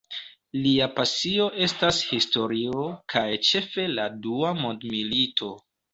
Lia pasio estas historio, kaj ĉefe la Dua mondmilito.